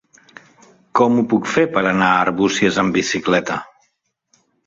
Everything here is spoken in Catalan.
Com ho puc fer per anar a Arbúcies amb bicicleta?